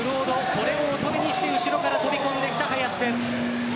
これをおとりにして後ろから飛び込んできた林です。